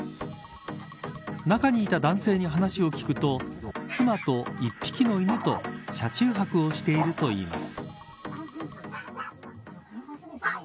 中にいた男性に話を聞くと妻と１匹の犬と車中泊をしているといいます。